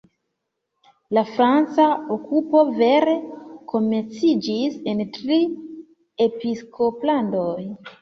La franca okupo vere komenciĝis en Tri-Episkoplandoj.